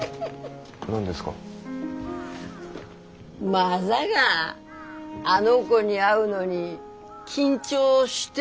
まさがあの子に会うのに緊張してっとが？